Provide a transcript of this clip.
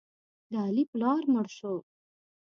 د علي پلار مړ شو.